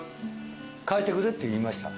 変えてくれって言いました。